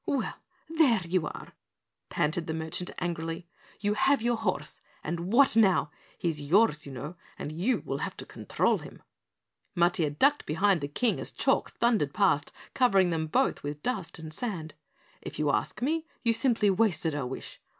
"Well, there you are!" panted the merchant angrily. "You have your horse and what now? He's yours, you know, and you'll have to control him." Matiah ducked behind the King as Chalk thundered past, covering them both with dust and sand. "If you ask me, you simply wasted a wish.